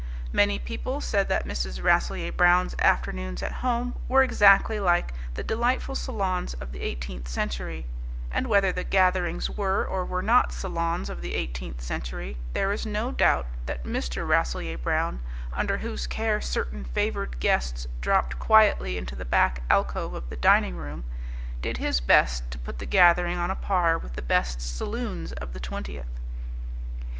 Many people said that Mrs. Rasselyer Brown's afternoons at home were exactly like the delightful salons of the eighteenth century: and whether the gatherings were or were not salons of the eighteenth century, there is no doubt that Mr. Rasselyer Brown, under whose care certain favoured guests dropped quietly into the back alcove of the dining room, did his best to put the gathering on a par with the best saloons of the twentieth.